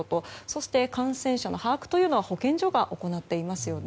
そして、感染者の把握というのは保健所が行っています。